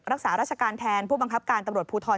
รักษาราชการแทนผู้บังคับการตำรวจภูทร